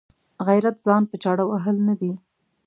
غیرت ځان په چاړه وهل نه دي.